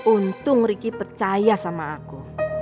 untung ricky percaya sama aku